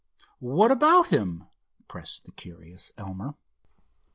"What about him?" pressed the curious Elmer.